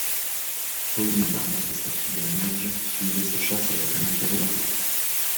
Paulina Barnett et sa fidèle Madge suivaient ces chasses avec un intérêt marqué.